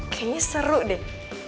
kayaknya seru deh